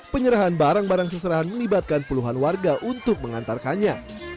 penyerahan barang barang seserahan melibatkan puluhan warga untuk mengantarkannya